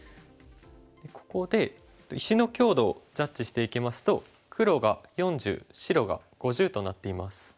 ここで石の強度をジャッジしていきますと黒が４０白が５０となっています。